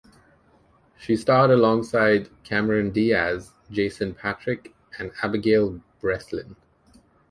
She starred alongside Cameron Diaz, Jason Patric, and Abigail Breslin.